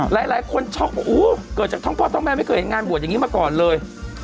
หลายคนช็อกว่าเกิดจากทั้งพ่อทั้งแม่ไม่เคยเห็นงานบวชอย่างนี้มาก่อนเลย